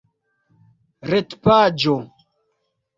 retpaĝo